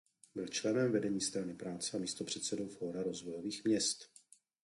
Byl členem vedení Strany práce a místopředsedou Fóra rozvojových měst.